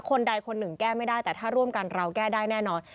คนใดคนหนึ่งแก้ไม่ได้แต่ถ้าร่วมกันเราแก้ได้แน่นอน